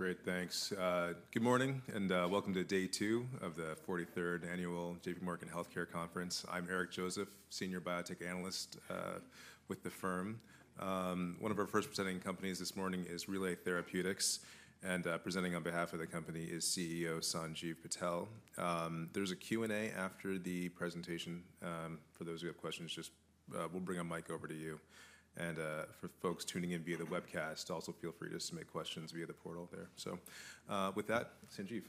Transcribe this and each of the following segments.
Okay, great, thanks. Good morning and welcome to day two of the 43rd Annual J.P. Morgan Healthcare Conference. I'm Eric Joseph, Senior Biotech Analyst with the firm. One of our first presenting companies this morning is Relay Therapeutics, and presenting on behalf of the company is CEO Sanjiv Patel. There's a Q&A after the presentation. For those who have questions, we'll bring a mic over to you. And for folks tuning in via the webcast, also feel free to submit questions via the portal there. So with that, Sanjiv. Thank you.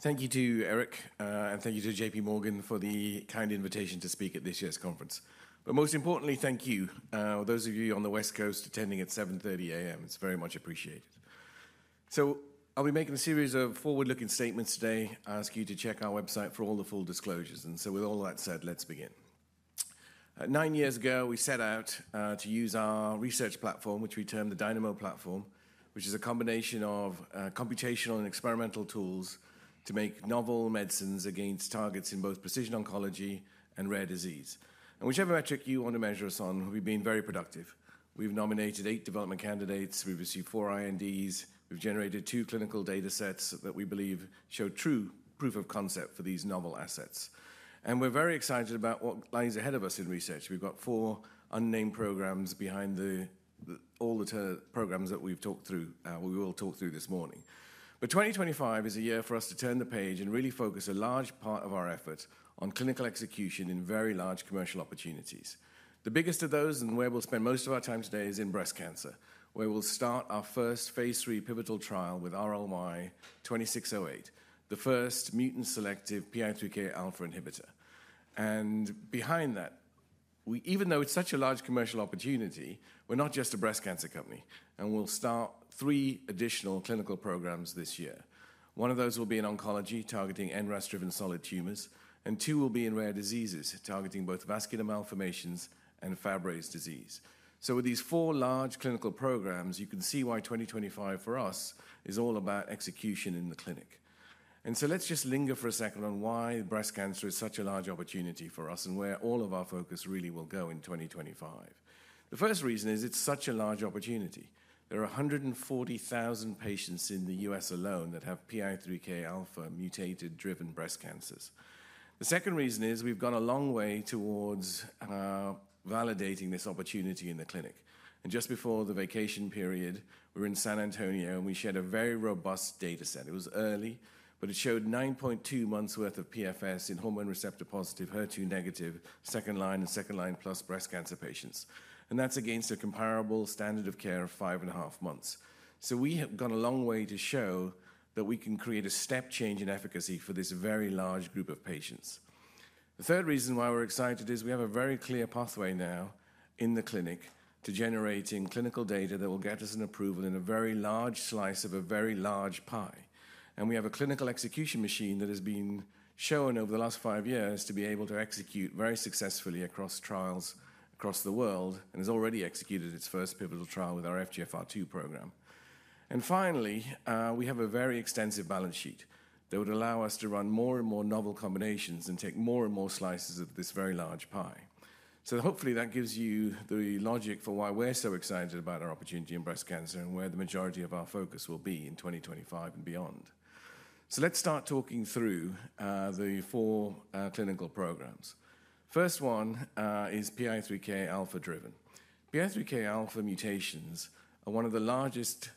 Thank you to Eric and thank you to J.P. Morgan for the kind invitation to speak at this year's conference. But most importantly, thank you to those of you on the West Coast attending at 7:30 A.M. It's very much appreciated. So I'll be making a series of forward-looking statements today. I ask you to check our website for all the full disclosures. And so with all that said, let's begin. Nine years ago, we set out to use our research platform, which we termed the Dynamo Platform, which is a combination of computational and experimental tools to make novel medicines against targets in both precision oncology and rare disease. And whichever metric you want to measure us on, we've been very productive. We've nominated eight development candidates, we've received four INDs, we've generated two clinical data sets that we believe show true proof of concept for these novel assets. We're very excited about what lies ahead of us in research. We've got four unnamed programs behind all the programs that we've talked through, we will talk through this morning. 2025 is a year for us to turn the page and really focus a large part of our efforts on clinical execution in very large commercial opportunities. The biggest of those, and where we'll spend most of our time today, is in breast cancer, where we'll start our first phase 3 pivotal trial with RLY-2608, the first mutant selective PI3K alpha inhibitor. Behind that, even though it's such a large commercial opportunity, we're not just a breast cancer company. We'll start three additional clinical programs this year. One of those will be in oncology targeting NRAS-driven solid tumors, and two will be in rare diseases targeting both vascular malformations and Fabry disease. So with these four large clinical programs, you can see why 2025 for us is all about execution in the clinic. And so let's just linger for a second on why breast cancer is such a large opportunity for us and where all of our focus really will go in 2025. The first reason is it's such a large opportunity. There are 140,000 patients in the U.S. alone that have PI3K alpha mutated-driven breast cancers. The second reason is we've gone a long way towards validating this opportunity in the clinic. And just before the vacation period, we were in San Antonio and we shared a very robust data set. It was early, but it showed 9.2 months' worth of PFS in hormone receptor positive, HER2 negative, second line and second line plus breast cancer patients. And that's against a comparable standard of care of five and a half months. So we have gone a long way to show that we can create a step change in efficacy for this very large group of patients. The third reason why we're excited is we have a very clear pathway now in the clinic to generating clinical data that will get us an approval in a very large slice of a very large pie. And we have a clinical execution machine that has been shown over the last five years to be able to execute very successfully across trials across the world and has already executed its first pivotal trial with our FGFR2 program. And finally, we have a very extensive balance sheet that would allow us to run more and more novel combinations and take more and more slices of this very large pie. Hopefully that gives you the logic for why we're so excited about our opportunity in breast cancer and where the majority of our focus will be in 2025 and beyond. So let's start talking through the four clinical programs. First one is PI3K alpha driven. PI3K alpha mutations are one of the largest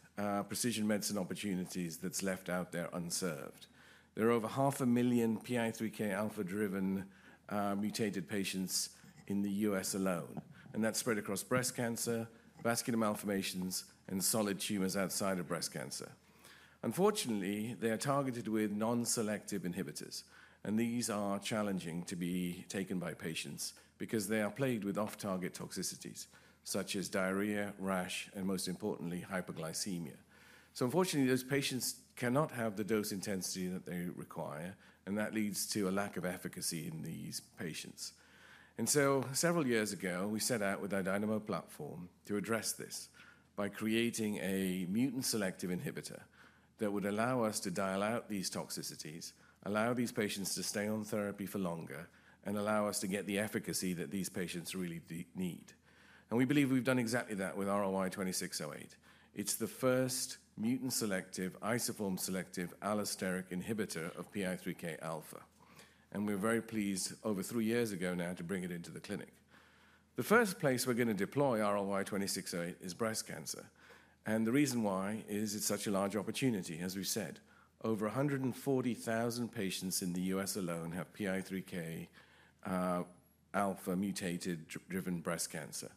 precision medicine opportunities that's left out there unserved. There are over 500,000 PI3K alpha driven mutated patients in the U.S. alone, and that's spread across breast cancer, vascular malformations, and solid tumors outside of breast cancer. Unfortunately, they are targeted with non-selective inhibitors, and these are challenging to be taken by patients because they are plagued with off-target toxicities such as diarrhea, rash, and most importantly, hyperglycemia. So unfortunately, those patients cannot have the dose intensity that they require, and that leads to a lack of efficacy in these patients. And so several years ago, we set out with our Dynamo Platform to address this by creating a mutant selective inhibitor that would allow us to dial out these toxicities, allow these patients to stay on therapy for longer, and allow us to get the efficacy that these patients really need. And we believe we've done exactly that with RLY2608. It's the first mutant selective, isoform selective, allosteric inhibitor of PI3K alpha. And we're very pleased over three years ago now to bring it into the clinic. The first place we're going to deploy RLY2608 is breast cancer. And the reason why is it's such a large opportunity, as we said. Over 140,000 patients in the US alone have PI3K alpha mutated-driven breast cancer.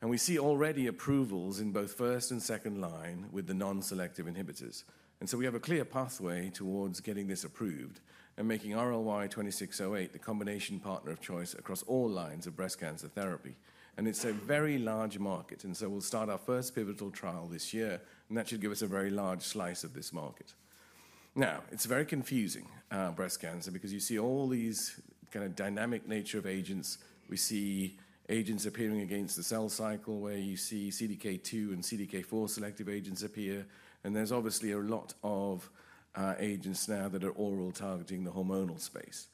And we see already approvals in both first and second line with the non-selective inhibitors. And so we have a clear pathway towards getting this approved and making RLY2608 the combination partner of choice across all lines of breast cancer therapy. And it's a very large market, and so we'll start our first pivotal trial this year, and that should give us a very large slice of this market. Now, it's very confusing, breast cancer, because you see all these kind of dynamic nature of agents. We see agents appearing against the cell cycle where you see CDK2 and CDK4 selective agents appear, and there's obviously a lot of agents now that are oral targeting the hormonal space.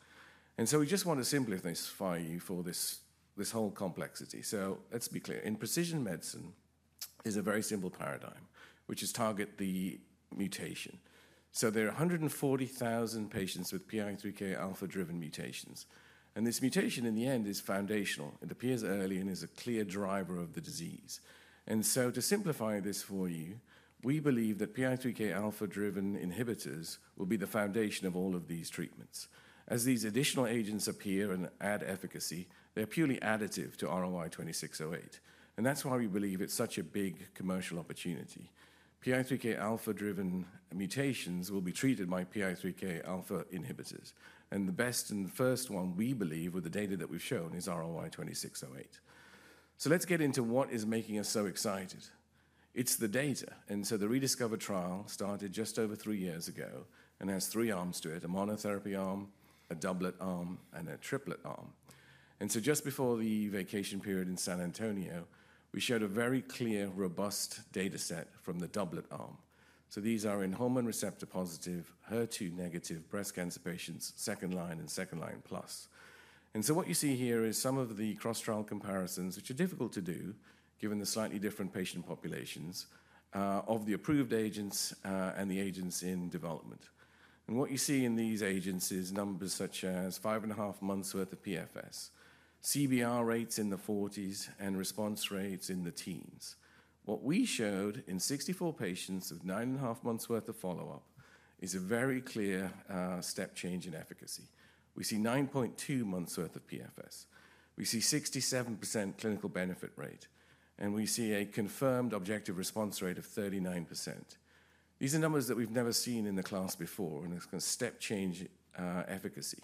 And so we just want to simplify you for this whole complexity. So let's be clear. In precision medicine, there's a very simple paradigm, which is target the mutation. So there are 140,000 patients with PI3K alpha driven mutations. And this mutation in the end is foundational. It appears early and is a clear driver of the disease, and so to simplify this for you, we believe that PI3K alpha driven inhibitors will be the foundation of all of these treatments. As these additional agents appear and add efficacy, they're purely additive to RLY2608, and that's why we believe it's such a big commercial opportunity. PI3K alpha driven mutations will be treated by PI3K alpha inhibitors, and the best and first one we believe, with the data that we've shown, is RLY2608, so let's get into what is making us so excited. It's the data, and so the ReDiscover trial started just over three years ago and has three arms to it: a monotherapy arm, a doublet arm, and a triplet arm, and so just before the vacation period in San Antonio, we showed a very clear, robust data set from the doublet arm. So, these are in hormone receptor positive, HER2-negative breast cancer patients, second-line and second-line plus. And so what you see here is some of the cross-trial comparisons, which are difficult to do given the slightly different patient populations of the approved agents and the agents in development. And what you see in these agents is numbers such as five and a half months' worth of PFS, CBR rates in the 40s, and response rates in the teens. What we showed in 64 patients with nine and a half months' worth of follow-up is a very clear step change in efficacy. We see 9.2 months' worth of PFS. We see 67% clinical benefit rate, and we see a confirmed objective response rate of 39%. These are numbers that we've never seen in the class before, and it's going to step change efficacy.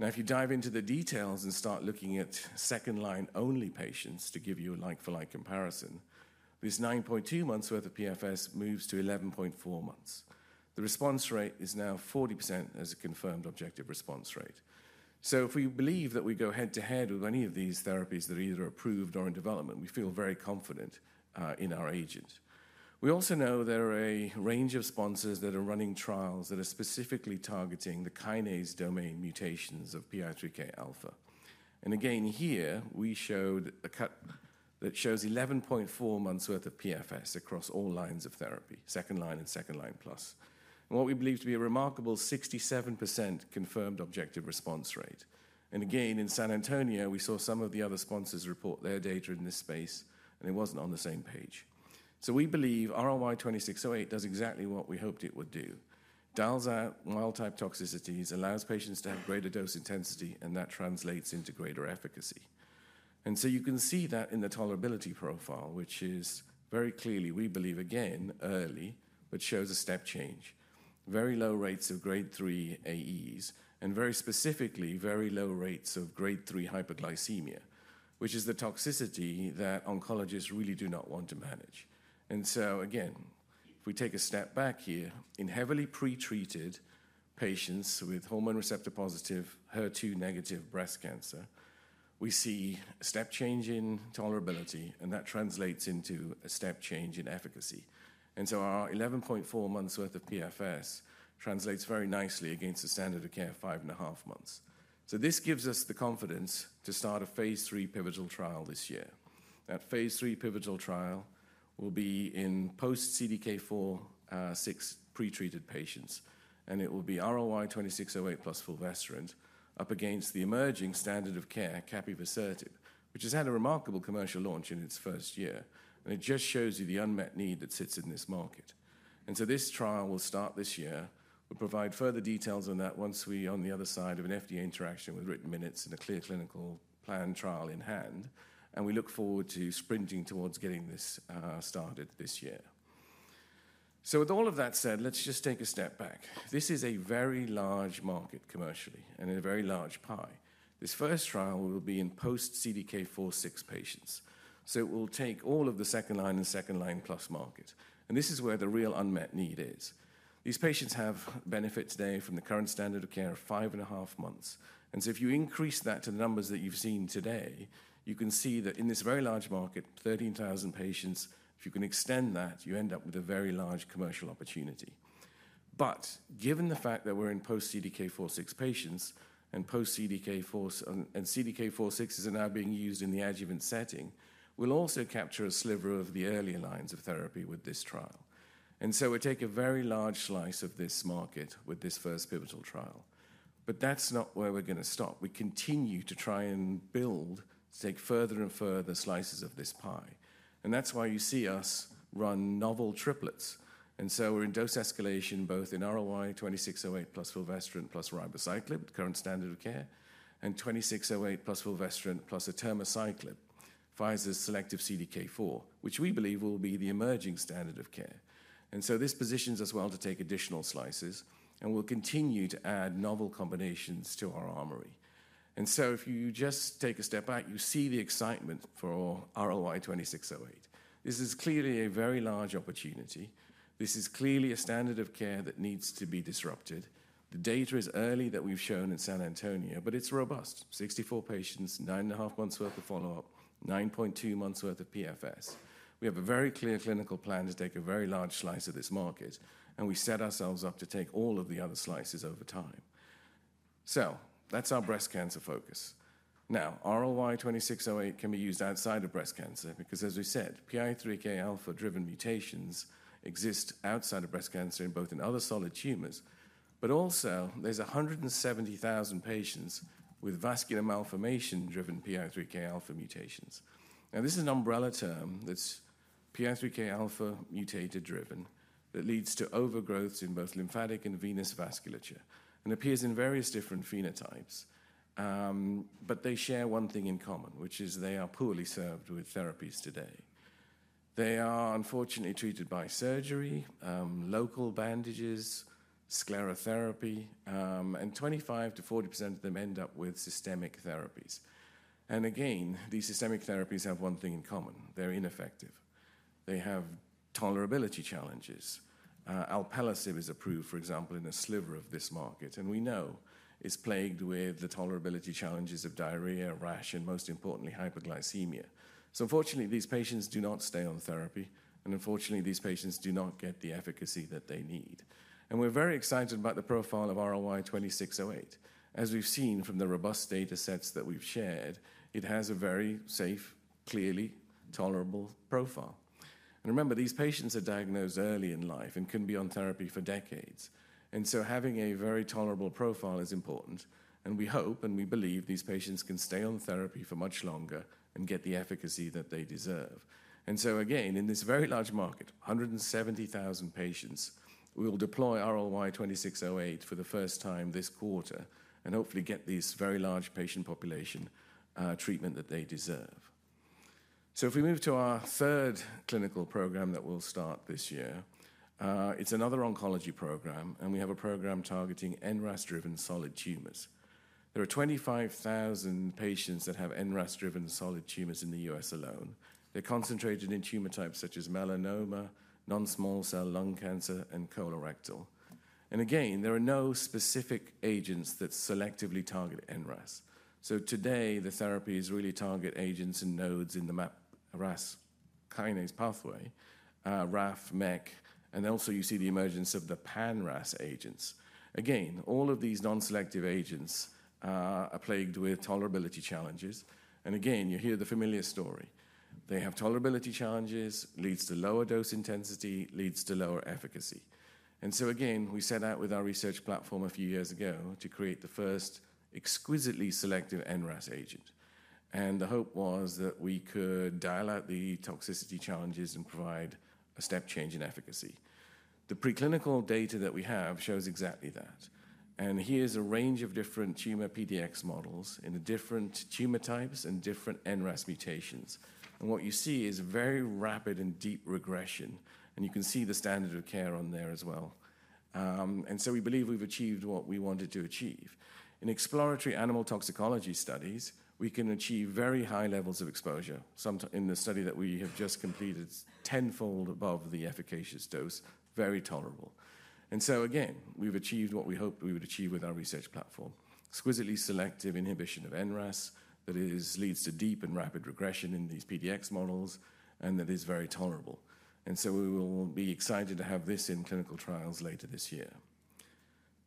Now, if you dive into the details and start looking at second line only patients to give you a like-for-like comparison, this 9.2 months' worth of PFS moves to 11.4 months. The response rate is now 40% as a confirmed objective response rate. So if we believe that we go head to head with any of these therapies that are either approved or in development, we feel very confident in our agent. We also know there are a range of sponsors that are running trials that are specifically targeting the kinase domain mutations of PI3K alpha. And again, here we showed a cut that shows 11.4 months' worth of PFS across all lines of therapy, second line and second line plus. And what we believe to be a remarkable 67% confirmed objective response rate. Again, in San Antonio, we saw some of the other sponsors report their data in this space, and it wasn't on the same page. We believe RLY2608 does exactly what we hoped it would do. It dials out wild-type toxicities, allows patients to have greater dose intensity, and that translates into greater efficacy. You can see that in the tolerability profile, which is very clearly, we believe again, early, but shows a step change. Very low rates of grade three AEs and very specifically, very low rates of grade three hyperglycemia, which is the toxicity that oncologists really do not want to manage. If we take a step back here, in heavily pretreated patients with hormone receptor positive, HER2 negative breast cancer, we see a step change in tolerability, and that translates into a step change in efficacy. Our 11.4 months' worth of PFS translates very nicely against the standard of care of five and a half months. So this gives us the confidence to start a phase three pivotal trial this year. That phase three pivotal trial will be in post-CDK4/6 pretreated patients, and it will be RLY2608 plus fulvestrant up against the emerging standard of care, Capivasertib, which has had a remarkable commercial launch in its first year. And it just shows you the unmet need that sits in this market. And so this trial will start this year. We'll provide further details on that once we are on the other side of an FDA interaction with written minutes and a clear clinical plan trial in hand. And we look forward to sprinting towards getting this started this year. So with all of that said, let's just take a step back. This is a very large market commercially and in a very large pie. This first trial will be in post-CDK4/6 patients. So it will take all of the second line and second line plus market. And this is where the real unmet need is. These patients have benefit today from the current standard of care of five and a half months. And so if you increase that to the numbers that you've seen today, you can see that in this very large market, 13,000 patients, if you can extend that, you end up with a very large commercial opportunity. But given the fact that we're in post-CDK4/6 patients and post-CDK4/6 is now being used in the adjuvant setting, we'll also capture a sliver of the earlier lines of therapy with this trial. And so we take a very large slice of this market with this first pivotal trial. But that's not where we're going to stop. We continue to try and build to take further and further slices of this pie. And that's why you see us run novel triplets. And so we're in dose escalation both in RLY2608 plus fulvestrant plus ribociclib, current standard of care, and 2608 plus fulvestrant plus atirmociclib, Pfizer's selective CDK4, which we believe will be the emerging standard of care. And so this positions us well to take additional slices, and we'll continue to add novel combinations to our armory. And so if you just take a step back, you see the excitement for RLY2608. This is clearly a very large opportunity. This is clearly a standard of care that needs to be disrupted. The data is early that we've shown in San Antonio, but it's robust. 64 patients, nine and a half months' worth of follow-up, 9.2 months' worth of PFS. We have a very clear clinical plan to take a very large slice of this market, and we set ourselves up to take all of the other slices over time. So that's our breast cancer focus. Now, RLY-2608 can be used outside of breast cancer because, as we said, PI3K alpha driven mutations exist outside of breast cancer in both other solid tumors, but also there's 170,000 patients with vascular malformation driven PI3K alpha mutations. Now, this is an umbrella term that's PI3K alpha mutated driven that leads to overgrowths in both lymphatic and venous vasculature and appears in various different phenotypes. But they share one thing in common, which is they are poorly served with therapies today. They are unfortunately treated by surgery, local bandages, sclerotherapy, and 25%-40% of them end up with systemic therapies. And again, these systemic therapies have one thing in common. They're ineffective. They have tolerability challenges. Alpelisib is approved, for example, in a sliver of this market, and we know it's plagued with the tolerability challenges of diarrhea, rash, and most importantly, hyperglycemia. So unfortunately, these patients do not stay on therapy, and unfortunately, these patients do not get the efficacy that they need. And we're very excited about the profile of RLY2608. As we've seen from the robust data sets that we've shared, it has a very safe, clearly tolerable profile. And remember, these patients are diagnosed early in life and can be on therapy for decades. And so having a very tolerable profile is important, and we hope and we believe these patients can stay on therapy for much longer and get the efficacy that they deserve. And so again, in this very large market, 170,000 patients, we will deploy RLY2608 for the first time this quarter and hopefully get this very large patient population treatment that they deserve. So if we move to our third clinical program that we'll start this year, it's another oncology program, and we have a program targeting NRAS-driven solid tumors. There are 25,000 patients that have NRAS-driven solid tumors in the U.S. alone. They're concentrated in tumor types such as melanoma, non-small cell lung cancer, and colorectal. And again, there are no specific agents that selectively target NRAS. So today, the therapies really target agents and nodes in the MAPK pathway, RAF, MEK, and also you see the emergence of the Pan-RAS agents. Again, all of these non-selective agents are plagued with tolerability challenges. And again, you hear the familiar story. They have tolerability challenges, leads to lower dose intensity, leads to lower efficacy. And so again, we set out with our research platform a few years ago to create the first exquisitely selective NRAS agent. And the hope was that we could dial out the toxicity challenges and provide a step change in efficacy. The preclinical data that we have shows exactly that. And here's a range of different tumor PDX models in the different tumor types and different NRAS mutations. And what you see is very rapid and deep regression, and you can see the standard of care on there as well. And so we believe we've achieved what we wanted to achieve. In exploratory animal toxicology studies, we can achieve very high levels of exposure. In the study that we have just completed, it's tenfold above the efficacious dose, very tolerable. And so again, we've achieved what we hoped we would achieve with our research platform, exquisitely selective inhibition of NRAS that leads to deep and rapid regression in these PDX models and that is very tolerable. And so we will be excited to have this in clinical trials later this year.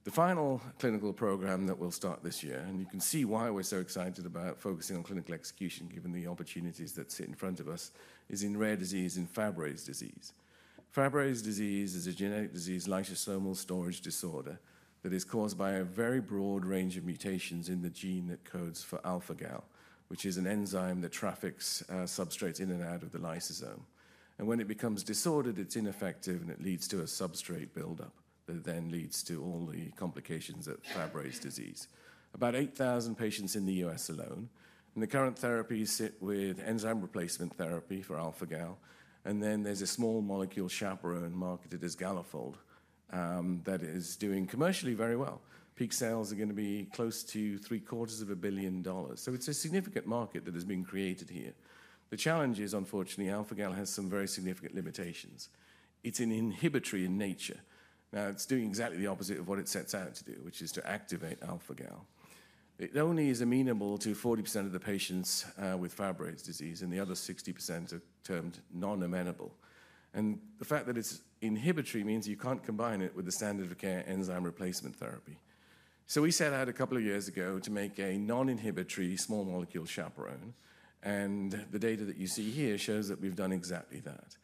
The final clinical program that we'll start this year, and you can see why we're so excited about focusing on clinical execution given the opportunities that sit in front of us, is in rare disease and Fabry disease. Fabry disease is a genetic disease, lysosomal storage disorder, that is caused by a very broad range of mutations in the gene that codes for alpha-gal, which is an enzyme that traffics substrates in and out of the lysosome, and when it becomes disordered, it's ineffective, and it leads to a substrate buildup that then leads to all the complications of Fabry disease. About 8,000 patients in the US alone, and the current therapies sit with enzyme replacement therapy for alpha-gal, and then there's a small molecule chaperone marketed as Galafold that is doing commercially very well. Peak sales are going to be close to $750 million. It's a significant market that has been created here. The challenge is, unfortunately, alpha-gal has some very significant limitations. It's an inhibitory in nature. Now, it's doing exactly the opposite of what it sets out to do, which is to activate alpha-gal. It only is amenable to 40% of the patients with Fabry disease, and the other 60% are termed non-amenable, and the fact that it's inhibitory means you can't combine it with the standard of care enzyme replacement therapy, so we set out a couple of years ago to make a non-inhibitory small molecule chaperone, and the data that you see here shows that we've done exactly that.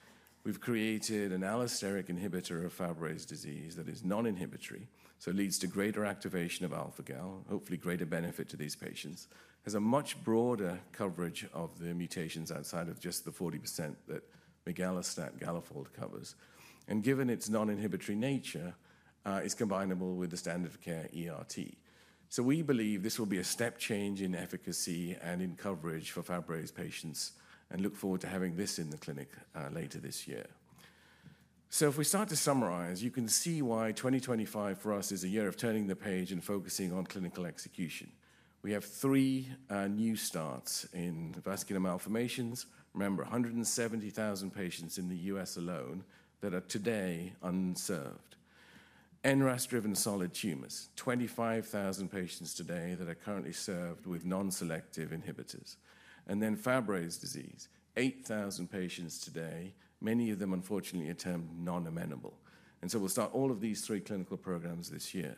We've created an allosteric inhibitor of Fabry disease that is non-inhibitory, so it leads to greater activation of alpha-gal, hopefully greater benefit to these patients, has a much broader coverage of the mutations outside of just the 40% that migalastat, Galafold covers, and given its non-inhibitory nature, it's combinable with the standard of care ERT. We believe this will be a step change in efficacy and in coverage for Fabry patients and look forward to having this in the clinic later this year. If we start to summarize, you can see why 2025 for us is a year of turning the page and focusing on clinical execution. We have three new starts in vascular malformations. Remember, 170,000 patients in the US alone that are today unserved. NRAS-driven solid tumors, 25,000 patients today that are currently served with non-selective inhibitors. And then Fabry disease, 8,000 patients today, many of them unfortunately are termed non-amenable. And so we'll start all of these three clinical programs this year.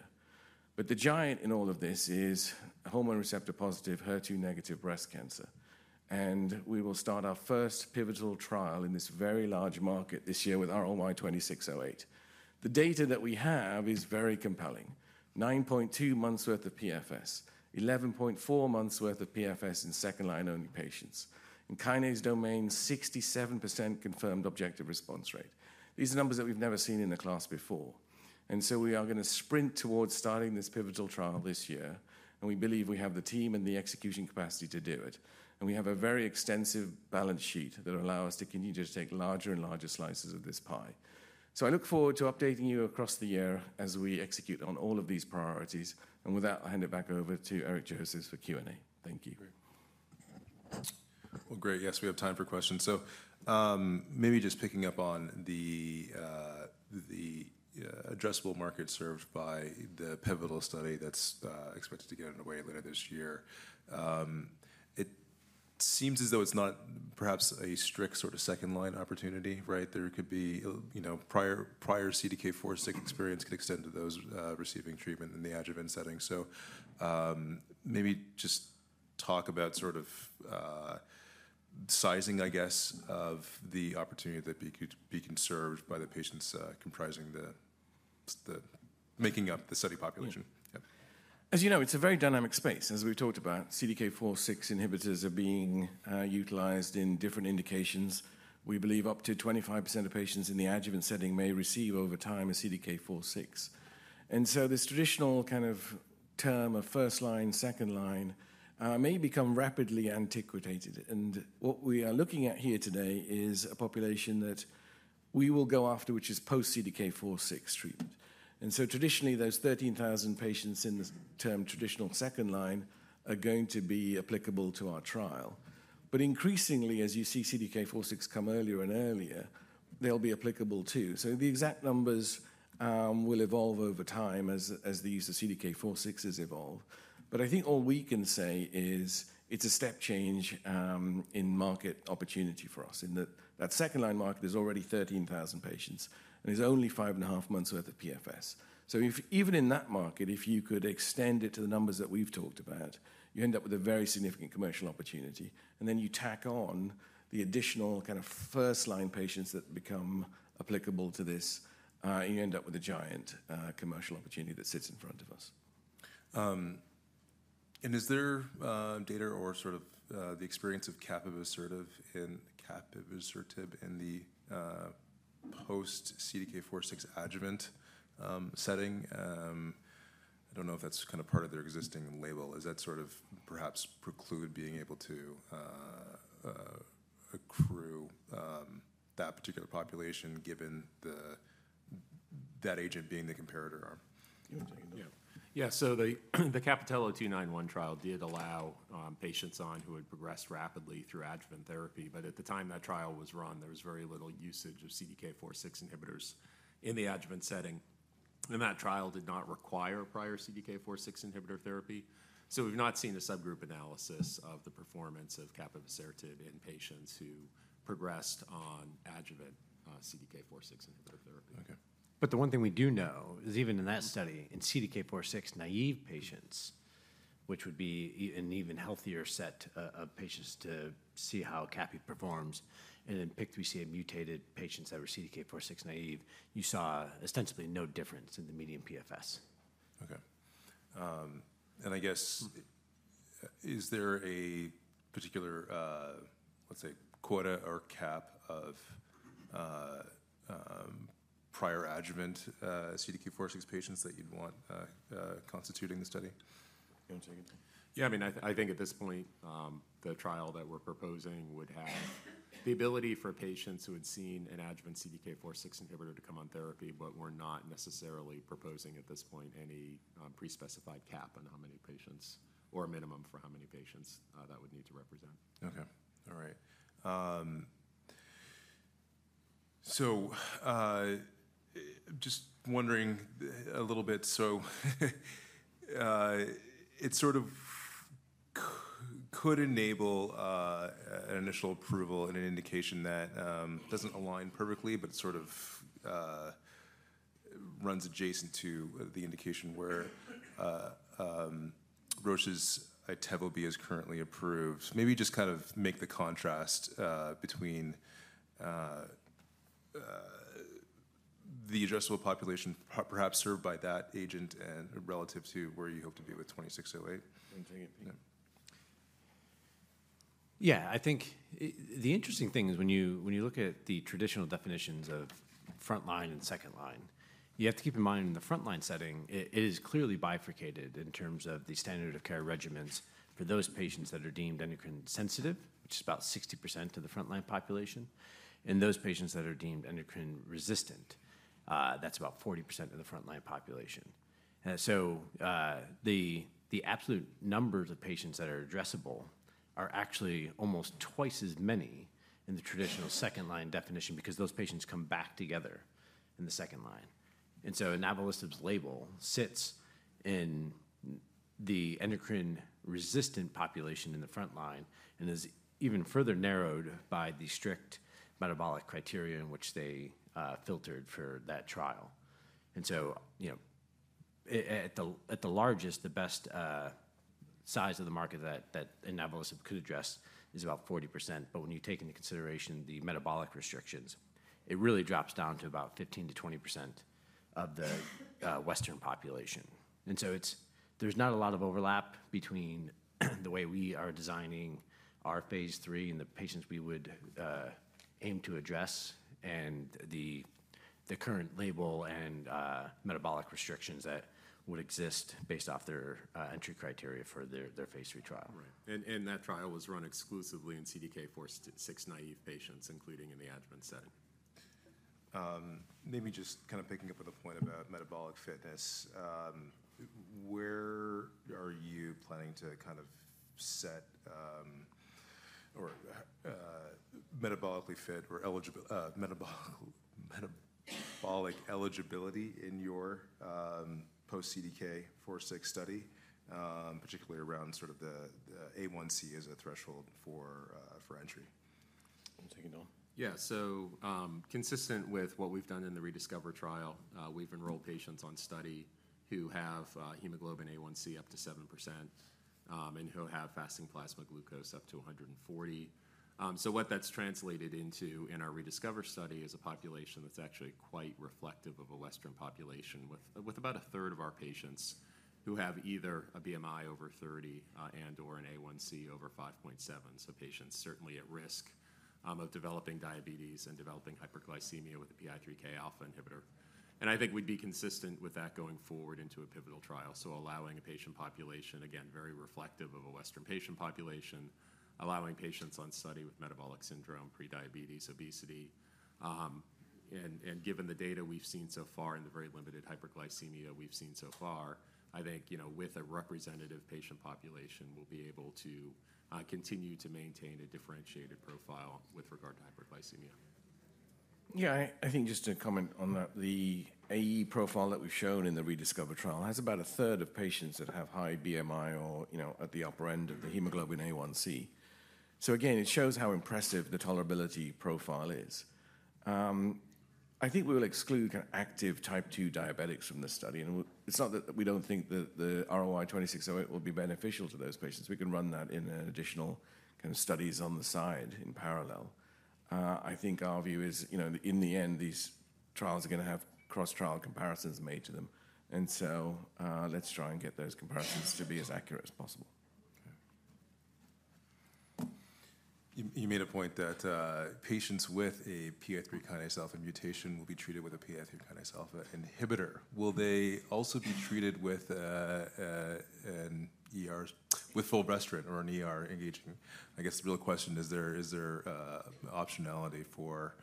But the giant in all of this is hormone receptor positive, HER2-negative breast cancer. And we will start our first pivotal trial in this very large market this year with RLY-2608. The data that we have is very compelling. 9.2 months' worth of PFS, 11.4 months' worth of PFS in second line only patients. In kinase domain, 67% confirmed objective response rate. These are numbers that we've never seen in the class before. And so we are going to sprint towards starting this pivotal trial this year, and we believe we have the team and the execution capacity to do it. And we have a very extensive balance sheet that will allow us to continue to take larger and larger slices of this pie. So I look forward to updating you across the year as we execute on all of these priorities, and with that, I'll hand it back over to Eric Joseph for Q&A. Thank you. Well, great. Yes, we have time for questions. So maybe just picking up on the addressable market served by the pivotal study that's expected to get underway later this year. It seems as though it's not perhaps a strict sort of second-line opportunity, right? There could be prior CDK4/6 experience could extend to those receiving treatment in the adjuvant setting. So maybe just talk about sort of sizing, I guess, of the opportunity that could be conserved by the patients comprising, making up, the study population. As you know, it's a very dynamic space. As we've talked about, CDK4/6 inhibitors are being utilized in different indications. We believe up to 25% of patients in the adjuvant setting may receive over time a CDK4/6. And so this traditional kind of term of first line, second line may become rapidly antiquated. And what we are looking at here today is a population that we will go after, which is post-CDK4/6 treatment. And so traditionally, those 13,000 patients in the term traditional second line are going to be applicable to our trial. But increasingly, as you see CDK4/6 come earlier and earlier, they'll be applicable too. So the exact numbers will evolve over time as the use of CDK4/6s evolve. But I think all we can say is it's a step change in market opportunity for us. In that second line market, there's already 13,000 patients, and there's only five and a half months' worth of PFS. So even in that market, if you could extend it to the numbers that we've talked about, you end up with a very significant commercial opportunity. And then you tack on the additional kind of first line patients that become applicable to this, and you end up with a giant commercial opportunity that sits in front of us. Is there data or sort of the experience of capivasertib in the post-CDK4/6 adjuvant setting? I don't know if that's kind of part of their existing label. Is that sort of perhaps preclude being able to accrue that particular population given that agent being the comparator arm? You want to take a note? Yeah. So the Capitello-291 trial did allow patients who had progressed rapidly through adjuvant therapy, but at the time that trial was run, there was very little usage of CDK4/6 inhibitors in the adjuvant setting, and that trial did not require prior CDK4/6 inhibitor therapy. So we've not seen a subgroup analysis of the performance of capivasertib in patients who progressed on adjuvant CDK4/6 inhibitor therapy. Okay. But the one thing we do know is even in that study, in CDK4/6 naive patients, which would be an even healthier set of patients to see how CAPI performs, and in PIK3CA mutated patients that were CDK4/6 naive, you saw ostensibly no difference in the median PFS. Okay. And I guess, is there a particular, let's say, quota or cap of prior adjuvant CDK4/6 patients that you'd want constituting the study? You want to take it? Yeah. I mean, I think at this point, the trial that we're proposing would have the ability for patients who had seen an adjuvant CDK4/6 inhibitor to come on therapy, but we're not necessarily proposing at this point any pre-specified cap on how many patients or a minimum for how many patients that would need to represent. Okay. All right. So just wondering a little bit, so it sort of could enable an initial approval and an indication that doesn't align perfectly, but sort of runs adjacent to the indication where Roche's Itovebi is currently approved. Maybe just kind of make the contrast between the addressable population perhaps served by that agent and relative to where you hope to be with 2608. You want to take it? Yeah. I think the interesting thing is when you look at the traditional definitions of front line and second line, you have to keep in mind in the front line setting, it is clearly bifurcated in terms of the standard of care regimens for those patients that are deemed endocrine sensitive, which is about 60% of the front line population, and those patients that are deemed endocrine resistant. That's about 40% of the front line population. So the absolute numbers of patients that are addressable are actually almost twice as many in the traditional second line definition because those patients come back together in the second line. And so Alpelisib label sits in the endocrine resistant population in the front line and is even further narrowed by the strict metabolic criteria in which they filtered for that trial. At the largest, the best size of the market that Alpelisib could address is about 40%, but when you take into consideration the metabolic restrictions, it really drops down to about 15%-20% of the Western population. There's not a lot of overlap between the way we are designing our phase 3 and the patients we would aim to address and the current label and metabolic restrictions that would exist based off their entry criteria for their phase 3 trial. Right. That trial was run exclusively in CDK4/6 naive patients, including in the adjuvant setting. Maybe just kind of picking up on the point about metabolic fitness, where are you planning to kind of set or metabolically fit or metabolic eligibility in your post-CDK4/6 study, particularly around sort of the A1C as a threshold for entry? You want to take it on? Yeah. So consistent with what we've done in the ReDiscover trial, we've enrolled patients on study who have hemoglobin A1C up to 7% and who have fasting plasma glucose up to 140. So what that's translated into in our ReDiscover study is a population that's actually quite reflective of a Western population with about a third of our patients who have either a BMI over 30 and/or an A1C over 5.7. So patients certainly at risk of developing diabetes and developing hyperglycemia with a PI3K alpha inhibitor. And I think we'd be consistent with that going forward into a pivotal trial. Allowing a patient population, again, very reflective of a Western patient population, allowing patients on study with metabolic syndrome, prediabetes, obesity, and given the data we've seen so far and the very limited hyperglycemia we've seen so far, I think with a representative patient population, we'll be able to continue to maintain a differentiated profile with regard to hyperglycemia. Yeah. I think just to comment on that, the AE profile that we've shown in the ReDiscover trial has about a third of patients that have high BMI or at the upper end of the hemoglobin A1C. So again, it shows how impressive the tolerability profile is. I think we will exclude active type 2 diabetics from the study. And it's not that we don't think that the RLY2608 will be beneficial to those patients. We can run that in additional kind of studies on the side in parallel. I think our view is in the end, these trials are going to have cross-trial comparisons made to them. And so let's try and get those comparisons to be as accurate as possible. You made a point that patients with a PI3K alpha mutation will be treated with a PI3K alpha inhibitor. Will they also be treated with fulvestrant or endocrine? I guess the real question is, is there optionality for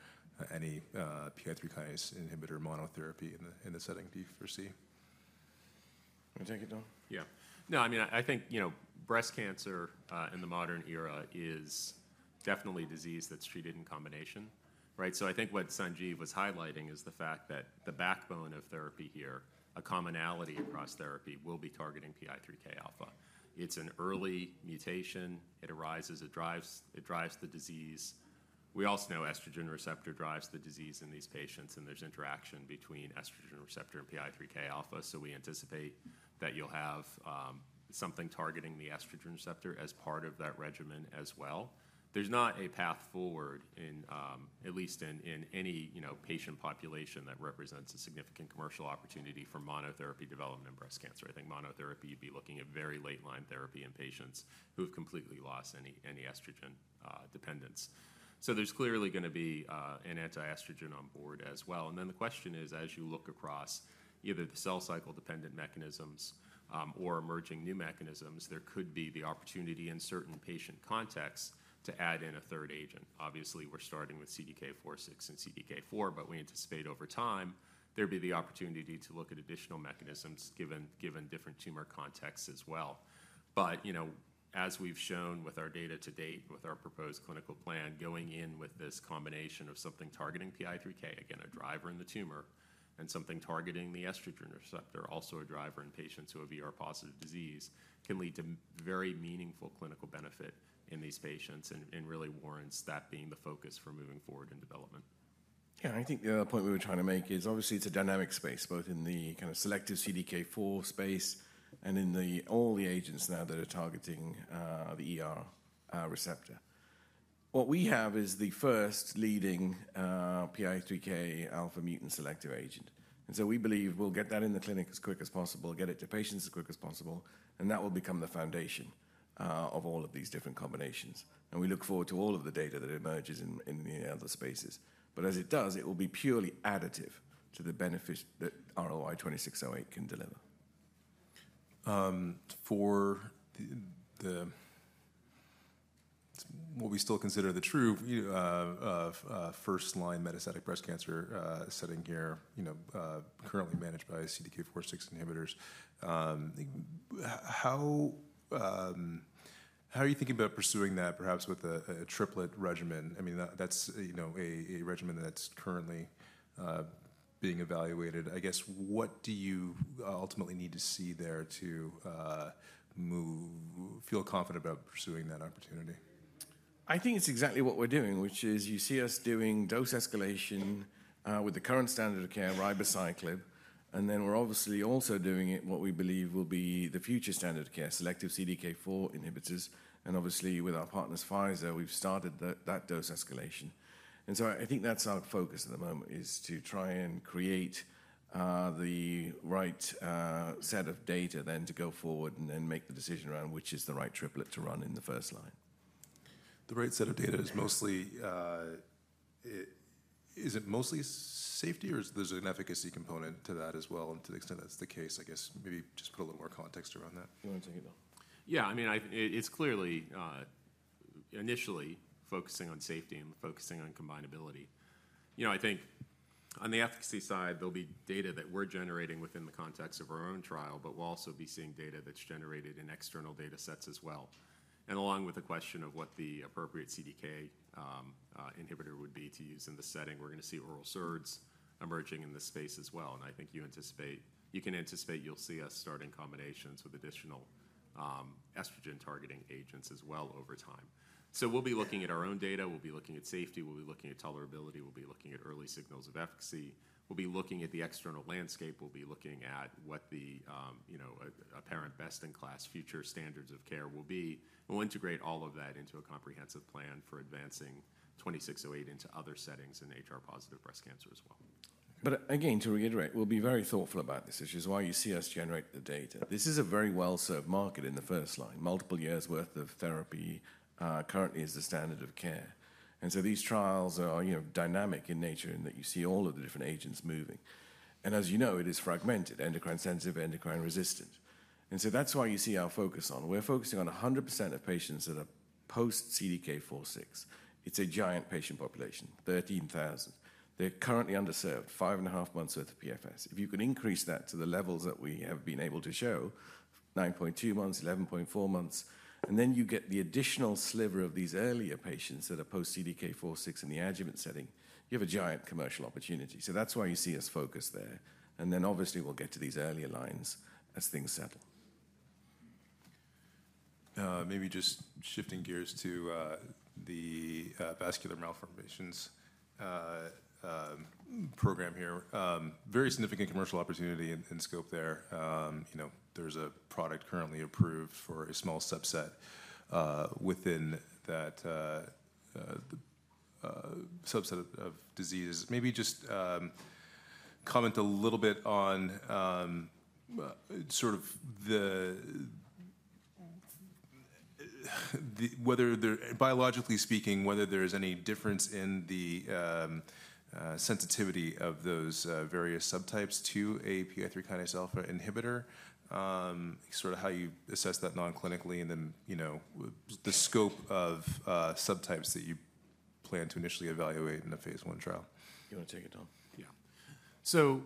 any PI3K inhibitor monotherapy in the setting that you foresee? You want to take it on? Yeah. No, I mean, I think breast cancer in the modern era is definitely a disease that's treated in combination, right? So I think what Sanjiv was highlighting is the fact that the backbone of therapy here, a commonality across therapy, will be targeting PI3K alpha. It's an early mutation. It arises. It drives the disease. We also know estrogen receptor drives the disease in these patients, and there's interaction between estrogen receptor and PI3K alpha. So we anticipate that you'll have something targeting the estrogen receptor as part of that regimen as well. There's not a path forward, at least in any patient population, that represents a significant commercial opportunity for monotherapy development in breast cancer. I think monotherapy would be looking at very late line therapy in patients who have completely lost any estrogen dependence. So there's clearly going to be an anti-estrogen on board as well. And then the question is, as you look across either the cell cycle dependent mechanisms or emerging new mechanisms, there could be the opportunity in certain patient contexts to add in a third agent. Obviously, we're starting with CDK4/6 and CDK4, but we anticipate over time there'd be the opportunity to look at additional mechanisms given different tumor contexts as well. But as we've shown with our data to date, with our proposed clinical plan, going in with this combination of something targeting PI3K, again, a driver in the tumor, and something targeting the estrogen receptor, also a driver in patients who have positive disease, can lead to very meaningful clinical benefit in these patients and really warrants that being the focus for moving forward in development. Yeah. And I think the point we were trying to make is obviously it's a dynamic space, both in the kind of selective CDK4 space and in all the agents now that are targeting the receptor. What we have is the first leading PI3K alpha mutant selective agent. And so we believe we'll get that in the clinic as quick as possible, get it to patients as quick as possible, and that will become the foundation of all of these different combinations. And we look forward to all of the data that emerges in the other spaces. But as it does, it will be purely additive to the benefit that RLY2608 can deliver. For what we still consider the true first line metastatic breast cancer setting here, currently managed by CDK4/6 inhibitors, how are you thinking about pursuing that perhaps with a triplet regimen? I mean, that's a regimen that's currently being evaluated. I guess what do you ultimately need to see there to feel confident about pursuing that opportunity? I think it's exactly what we're doing, which is you see us doing dose escalation with the current standard of care, Ribociclib. And then we're obviously also doing it, what we believe will be the future standard of care, selective CDK4 inhibitors. And obviously, with our partners, Pfizer, we've started that dose escalation. And so I think that's our focus at the moment, is to try and create the right set of data then to go forward and then make the decision around which is the right triplet to run in the first line. The right set of data, is it mostly safety or there's an efficacy component to that as well? And to the extent that's the case, I guess maybe just put a little more context around that. You want to take it on? Yeah. I mean, it's clearly initially focusing on safety and focusing on combinability. I think on the efficacy side, there'll be data that we're generating within the context of our own trial, but we'll also be seeing data that's generated in external data sets as well. And along with the question of what the appropriate CDK inhibitor would be to use in the setting, we're going to see oral SERDs emerging in this space as well. And I think you can anticipate you'll see us starting combinations with additional estrogen targeting agents as well over time. So we'll be looking at our own data. We'll be looking at safety. We'll be looking at tolerability. We'll be looking at early signals of efficacy. We'll be looking at the external landscape. We'll be looking at what the apparent best-in-class future standards of care will be. We'll integrate all of that into a comprehensive plan for advancing 2608 into other settings in HR positive breast cancer as well. But again, to reiterate, we'll be very thoughtful about this issue, is why you see us generate the data. This is a very well-served market in the first line. Multiple years' worth of therapy currently is the standard of care. And so these trials are dynamic in nature in that you see all of the different agents moving. And as you know, it is fragmented, endocrine sensitive, endocrine resistant. And so that's why you see our focus on. We're focusing on 100% of patients that are post-CDK4/6. It's a giant patient population, 13,000. They're currently underserved, five and a half months' worth of PFS. If you can increase that to the levels that we have been able to show, 9.2 months, 11.4 months, and then you get the additional sliver of these earlier patients that are post-CDK4/6 in the adjuvant setting, you have a giant commercial opportunity. So that's why you see us focus there. And then obviously, we'll get to these earlier lines as things settle. Maybe just shifting gears to the vascular malformations program here, very significant commercial opportunity and scope there. There's a product currently approved for a small subset within that subset of diseases. Maybe just comment a little bit on sort of whether, biologically speaking, whether there is any difference in the sensitivity of those various subtypes to a PI3 kinase alpha inhibitor, sort of how you assess that non-clinically, and then the scope of subtypes that you plan to initially evaluate in the phase one trial. You want to take it on? Yeah. So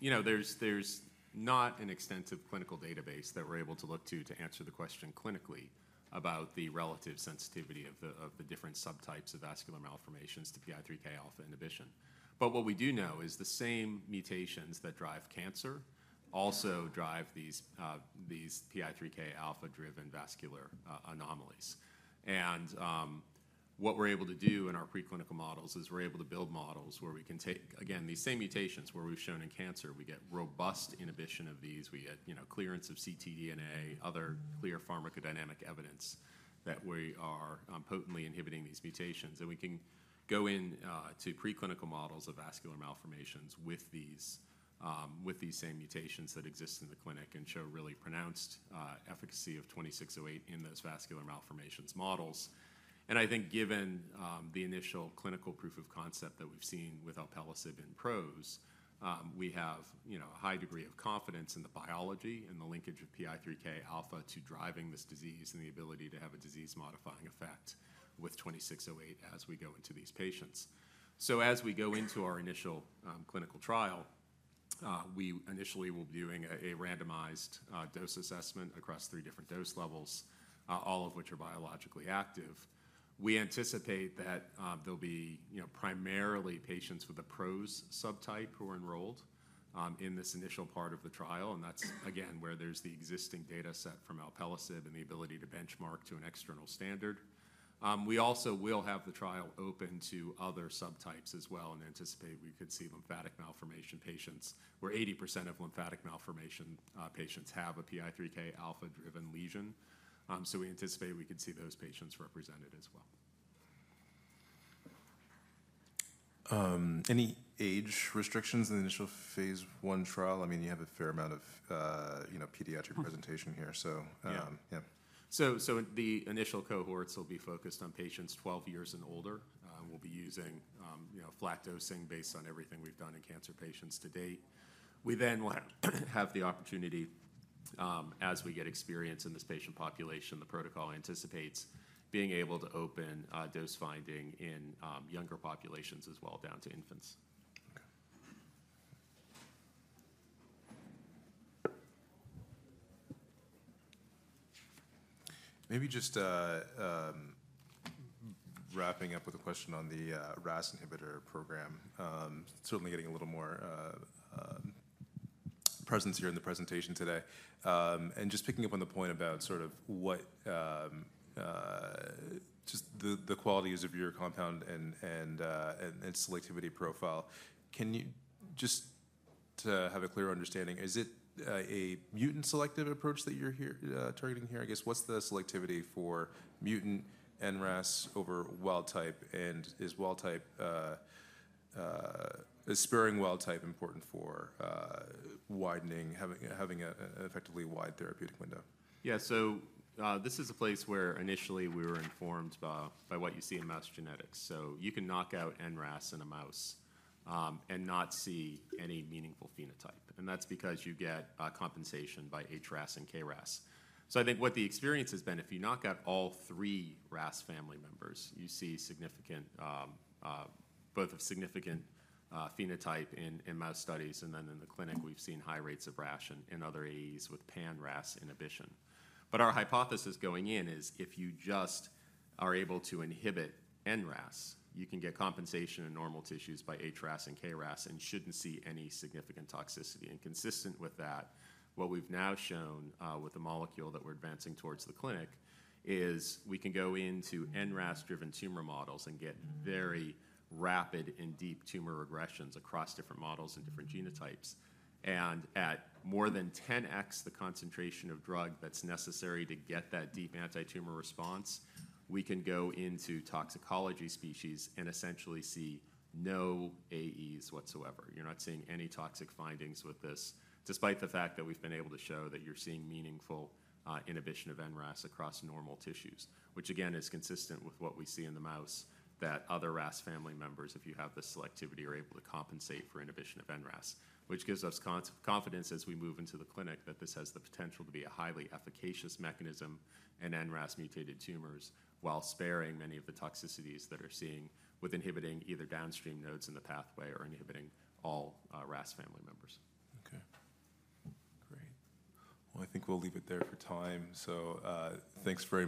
there's not an extensive clinical database that we're able to look to to answer the question clinically about the relative sensitivity of the different subtypes of vascular malformations to PI3K alpha inhibition. But what we do know is the same mutations that drive cancer also drive these PI3K alpha-driven vascular anomalies. And what we're able to do in our preclinical models is we're able to build models where we can take, again, these same mutations where we've shown in cancer, we get robust inhibition of these. We get clearance of CT DNA, other clear pharmacodynamic evidence that we are potently inhibiting these mutations. And we can go into preclinical models of vascular malformations with these same mutations that exist in the clinic and show really pronounced efficacy of 2608 in those vascular malformations models. I think given the initial clinical proof of concept that we've seen with Alpelisib and PROSE, we have a high degree of confidence in the biology and the linkage of PI3K alpha to driving this disease and the ability to have a disease-modifying effect with 2608 as we go into these patients. As we go into our initial clinical trial, we initially will be doing a randomized dose assessment across three different dose levels, all of which are biologically active. We anticipate that there'll be primarily patients with a PROSE subtype who are enrolled in this initial part of the trial. That's, again, where there's the existing data set from Alpelisib and the ability to benchmark to an external standard. We also will have the trial open to other subtypes as well and anticipate we could see lymphatic malformation patients where 80% of lymphatic malformation patients have a PI3K alpha-driven lesion. So we anticipate we could see those patients represented as well. Any age restrictions in the initial phase one trial? I mean, you have a fair amount of pediatric presentation here. So, yeah. Yeah. So the initial cohorts will be focused on patients 12 years and older. We'll be using flat dosing based on everything we've done in cancer patients to date. We then will have the opportunity, as we get experience in this patient population, the protocol anticipates being able to open dose finding in younger populations as well, down to infants. Okay. Maybe just wrapping up with a question on the RAS inhibitor program, certainly getting a little more presence here in the presentation today, and just picking up on the point about sort of just the qualities of your compound and selectivity profile, just to have a clearer understanding, is it a mutant selective approach that you're targeting here? I guess what's the selectivity for mutant NRAS over wild type, and is sparing wild type important for widening, having an effectively wide therapeutic window? Yeah. So this is a place where initially we were informed by what you see in mouse genetics. So you can knock out NRAS in a mouse and not see any meaningful phenotype. And that's because you get compensation by HRAS and KRAS. So I think what the experience has been, if you knock out all three RAS family members, you see both a significant phenotype in mouse studies. And then in the clinic, we've seen high rates of rash in other AEs with pan-RAS inhibition. But our hypothesis going in is if you just are able to inhibit NRAS, you can get compensation in normal tissues by HRAS and KRAS and shouldn't see any significant toxicity. And consistent with that, what we've now shown with the molecule that we're advancing towards the clinic is we can go into NRAS-driven tumor models and get very rapid and deep tumor regressions across different models and different genotypes. And at more than 10x the concentration of drug that's necessary to get that deep anti-tumor response, we can go into toxicology species and essentially see no AEs whatsoever. You're not seeing any toxic findings with this, despite the fact that we've been able to show that you're seeing meaningful inhibition of NRAS across normal tissues, which again is consistent with what we see in the mouse that other RAS family members, if you have the selectivity, are able to compensate for inhibition of NRAS, which gives us confidence as we move into the clinic that this has the potential to be a highly efficacious mechanism in NRAS-mutated tumors while sparing many of the toxicities that are seen with inhibiting either downstream nodes in the pathway or inhibiting all RAS family members. Okay. Great. Well, I think we'll leave it there for time. So thanks for.